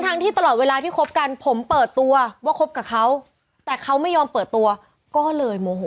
ที่ตลอดเวลาที่คบกันผมเปิดตัวว่าคบกับเขาแต่เขาไม่ยอมเปิดตัวก็เลยโมโห